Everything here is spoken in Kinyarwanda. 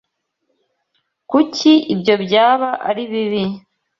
Kuki ibyo byaba ari bibi?